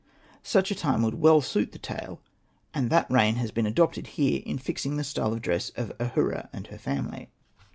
Such a time would well suit the tale, and that reign has been adopted here in fixing the style of the dress of Ahura and her family.